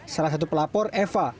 salah satu pelapor eva